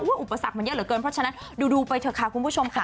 อุปสรรคมันเยอะเหลือเกินเพราะฉะนั้นดูไปเถอะค่ะคุณผู้ชมค่ะ